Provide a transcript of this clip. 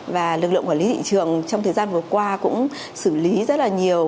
và lực lượng quản lý thị trường trong thời gian vừa qua cũng xử lý rất là nhiều